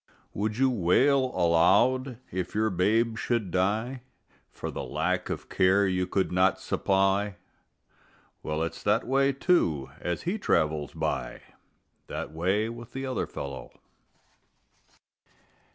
Would you wail aloud if your babe should die For the lack of care you could not supply? Well, it's that way, too, as he travels by, That way with the other fellow.